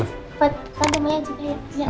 mas buat tante maya juga ya